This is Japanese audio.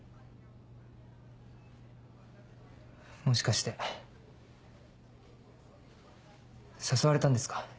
もしかして誘われたんですか？